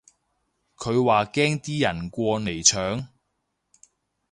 佢話驚啲人過嚟搶